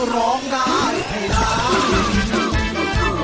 ร้องได้ไอ้ล้าง